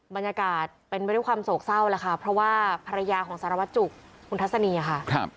บรรยากาศเป็นไปด้วยความโศกเศร้าแล้วค่ะเพราะว่าภรรยาของสารวัตจุกคุณทัศนีค่ะ